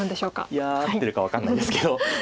いや合ってるか分かんないですけど。